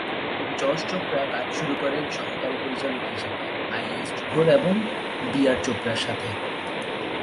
যশ চোপড়া কাজ শুরু করেন সহকারী পরিচালক হিসেবে আই এস জোহর এবং বি আর চোপড়ার সাথে।